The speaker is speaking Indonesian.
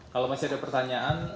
kalau masih ada pertanyaan